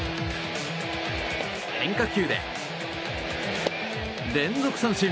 変化球で連続三振。